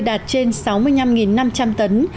đạt trên sáu mươi năm năm trăm linh tấn